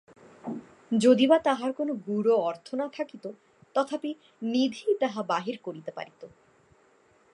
যদি বা তাহার কোনো গূঢ় অর্থ না থাকিত তথাপি নিধি তাহা বাহির করিতে পারিত।